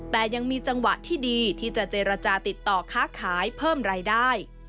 แต่ยังมีจังหวะที่ดีที่จะเจรจาติดต่อค้าขายเพิ่มรายได้